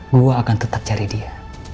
bahwa akan tetap cari dia